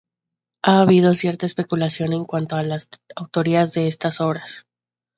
Ha habido cierta especulación en cuanto a la autoría de estas obras.